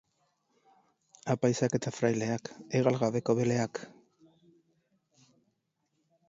Apaizak eta fraideak, hegal gabeko beleak.